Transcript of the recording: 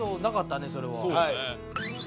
そうね